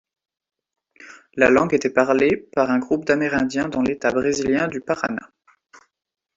La langue était parlée parlé par un groupe d’Amérindiens dans l'État brésilien de Paraná.